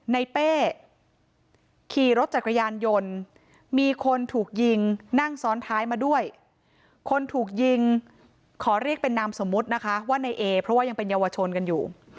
เป้ขี่รถจักรยานยนต์มีคนถูกยิงนั่งซ้อนท้ายมาด้วยคนถูกยิงขอเรียกเป็นนามสมมุตินะคะว่าในเอเพราะว่ายังเป็นเยาวชนกันอยู่